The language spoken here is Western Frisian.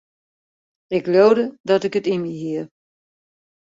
Ik leaude dat ik it yn my hie.